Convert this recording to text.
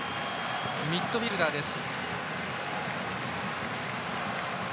ミッドフィールダーです。